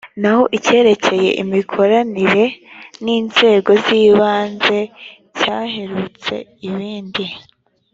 naho icyerekeye imikoranire n’inzego z’ibanze cyaherutse ibindi